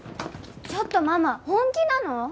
ちょっとママ本気なの？